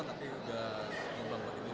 tapi udah ngembang lagi